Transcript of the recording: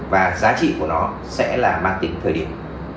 và giá trị của nó sẽ là mang tính thời điểm